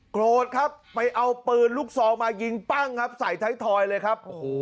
โกรธครับไปเอาปืนลูกซองมายิงปั้งครับใส่ท้ายทอยเลยครับ